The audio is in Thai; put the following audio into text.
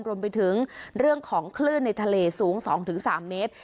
รวมไปถึงเรื่องของคลื่นในทะเลสูงสองถึงสามเมตร